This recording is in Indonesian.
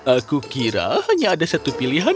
aku kira hanya ada satu pilihan